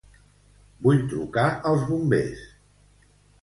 Vull trucar als bombers.